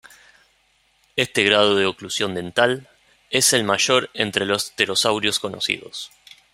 Este grado de "oclusión dental" es el mayor entre los pterosaurios conocidos.